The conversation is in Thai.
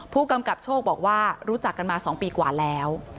ผู้กำกับโชคบอกว่ารู้จักกันมา๒ปีกว่าแล้ว